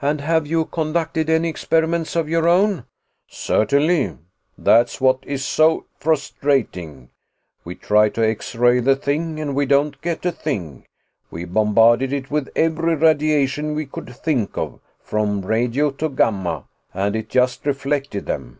"And have you conducted any experiments of your own?" "Certainly. That's what is so frustrating. We try to X ray the thing, and we don't get a thing. We bombarded it with every radiation we could think of, from radio to gamma and it just reflected them.